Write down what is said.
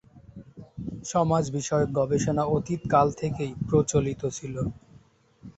সমাজ বিষয়ক গবেষণা অতীত কাল থেকেই প্রচলিত ছিল।